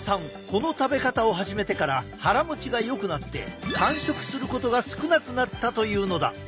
この食べ方を始めてから腹もちがよくなって間食することが少なくなったというのだ。